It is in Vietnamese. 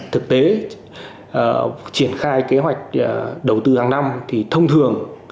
thực tế triển khai kế hoạch đầu tư hàng năm thì thông thường